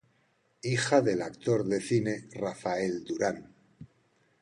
Hija del actor de cine Rafael Durán.